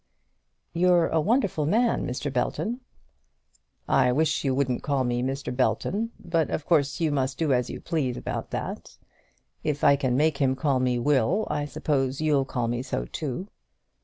"You're a wonderful man, Mr. Belton." "I wish you wouldn't call me Mr. Belton. But of course you must do as you please about that. If I can make him call me Will, I suppose you'll call me so too."